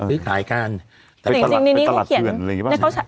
หรือขายการแต่จริงจริงในนี้เขาเขียนไปตลัดเผื่อนอะไรอย่างเงี้ยบ้าง